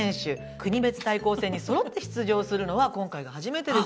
国別対抗戦に揃って出場するのは今回が初めてです。